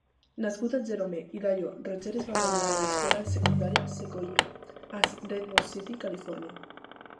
Nascut a Jerome, Idaho, Royer es va graduar a l'escola de secundària Sequoia, a Redwood City, Califòrnia.